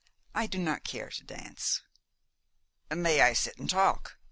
I do not care to dance." "May I sit here and talk?"